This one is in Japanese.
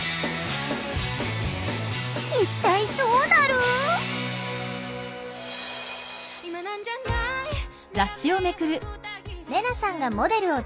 一体どうなる？